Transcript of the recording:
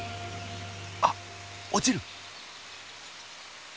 あっ落ちる！